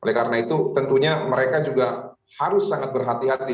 oleh karena itu tentunya mereka juga harus sangat berhati hati